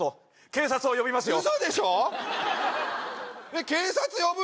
警察呼びますよ